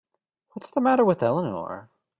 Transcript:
What's the matter with Eleanor?